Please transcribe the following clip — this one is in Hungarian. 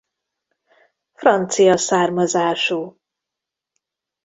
Francia származású.